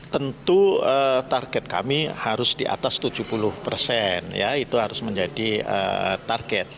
tentu target kami harus di atas tujuh puluh persen ya itu harus menjadi target